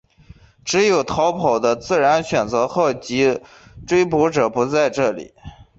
只有逃跑的自然选择号及其追捕者不在这里。